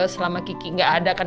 selama kiki nggak ada kan